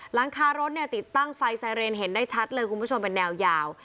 หลังคารถเนี่ยติดตั้งไฟไซเรนเห็นได้ชัดเลยคุณผู้ชมเป็นแนวยาว